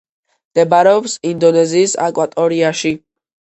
მდებარეობს ინდონეზიის აკვატორიაში.